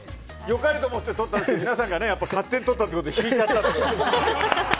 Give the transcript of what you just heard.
良かれと思って取ったんですけど、皆さんが勝手に取ったっていうことで引いちゃったと。